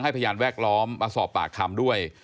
พยานแวดล้อมมาสอบปากคำด้วย